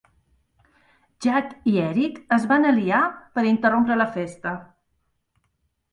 Jack i Eric es van aliar per interrompre la festa.